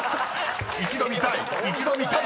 ［一度見たい？